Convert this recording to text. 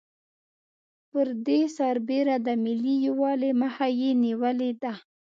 پر دې سربېره د ملي یوالي مخه یې نېولې ده.